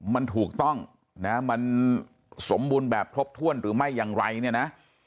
มันถูกต้องนะมันสมบูรณ์แบบครบถ้วนหรือไม่อย่างไรเนี่ยนะ